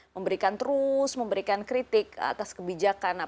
memberikan terus memberikan kritik atas kebijakan